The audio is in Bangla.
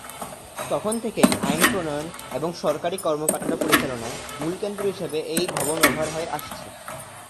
তখন থেকেই আইন প্রণয়ন এবং সরকারি কর্মকাণ্ড পরিচালনার মূল কেন্দ্র হিসাবে এই ভবন ব্যবহার হয়ে আসছে।